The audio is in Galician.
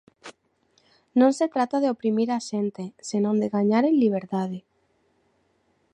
Non se trata de oprimir a xente, senón de gañar en liberdade.